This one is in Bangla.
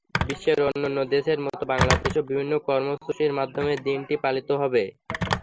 বিশ্বের অন্যান্য দেশের মতো বাংলাদেশেও বিভিন্ন কর্মসূচির মাধ্যমে দিনটি পালিত হবে।